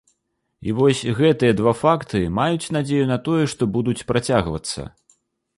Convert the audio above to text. І вось гэтыя два факты маюць надзею на тое, што будуць працягвацца.